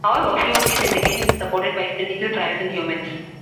However, few of these indications are supported by clinical trials in humans.